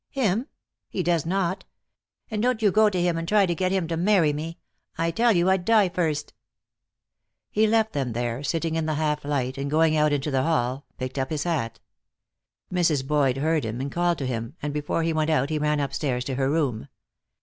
"Him? He does not. And don't you go to him and try to get him to marry me. I tell you I'd die first." He left them there, sitting in the half light, and going out into the hall picked up his hat. Mrs. Boyd heard him and called to him, and before he went out he ran upstairs to her room.